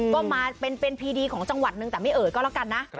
ก็มาเป็นพีดีของจังหวัดนึงแต่ไม่เอ่ยก็แล้วกันนะ